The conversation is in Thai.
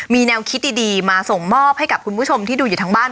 มีแนวคิดดีมาส่งมอบให้กับคุณผู้ชมที่ดูอยู่ทางบ้าน